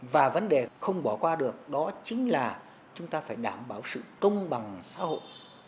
và vấn đề không bỏ qua được đó chính là chúng ta phải đảm bảo sự công bằng xã hội